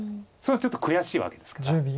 それはちょっと悔しいわけですから。